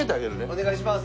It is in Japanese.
お願いします。